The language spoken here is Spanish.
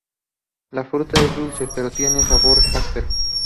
La fruta es dulce, pero tiene un sabor áspero.